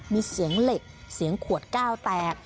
มีเสียงเหล็กเสียงขวดเก้าแตก